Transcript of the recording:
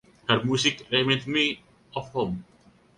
Her music reminds me of home.